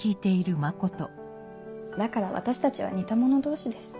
だから私たちは似た者同士です。